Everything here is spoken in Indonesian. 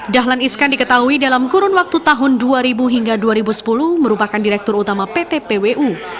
dahlan iskan diketahui dalam kurun waktu tahun dua ribu hingga dua ribu sepuluh merupakan direktur utama pt pwu